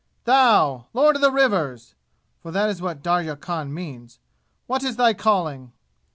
"Thou! Lord of the Rivers! (For that is what Darya Khan means.) What is thy calling?"